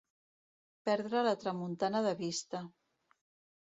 Perdre la tramuntana de vista.